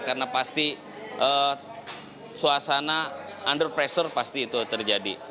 karena pasti suasana under pressure pasti itu terjadi